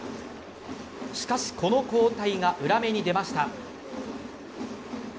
しかしこの交代が裏目に出ました。